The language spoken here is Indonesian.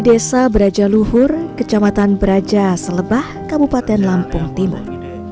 desa beraja luhur kecamatan beraja selebah kabupaten lampung timur